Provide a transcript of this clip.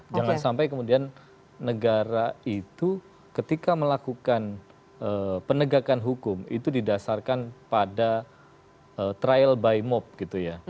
jangan sampai kemudian negara itu ketika melakukan penegakan hukum itu didasarkan pada trial by mop gitu ya